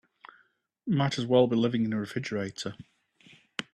Might as well be living in a refrigerator.